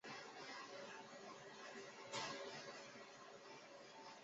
郑绥挟持黎槱退往安朗县。